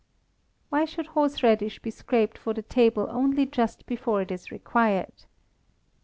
_Why should horseradish be scraped for the table only just before it is required?